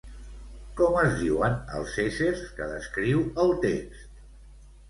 Com es diuen els éssers que descriu el text?